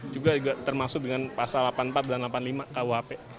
juga termasuk dengan pasal delapan puluh empat dan delapan puluh lima kuhp